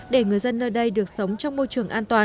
để người dân nơi đây được sống trong môi trường an toàn